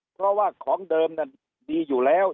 เพราะว่าของเดิมนั้นดีอยู่แล้ว